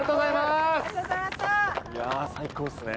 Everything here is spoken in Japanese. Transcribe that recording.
いや最高ですね。